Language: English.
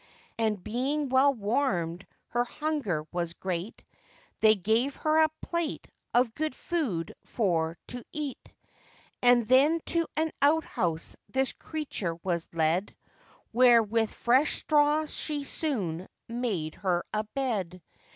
And, being well warmed, her hunger was great, They gave her a plate of good food for to eat, And then to an outhouse this creature was led, Where with fresh straw she soon made her a bed.